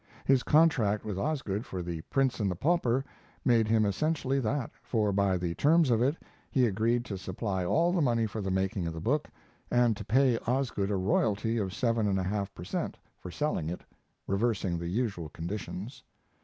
His contract with Osgood for 'The Prince and the Pauper' made him essentially that, for by the terms of it he agreed to supply all the money for the making of the book, and to pay Osgood a royalty of seven and one half per cent. for selling it, reversing the usual conditions.